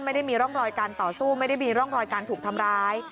ไม่ได้มีร่องรอยการต่อสู้ไม่ได้มีร่องรอยการถูกทำร้าย